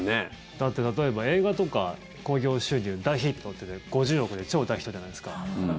だって、例えば映画とか興行収入大ヒットって５０億で超大ヒットじゃないですか。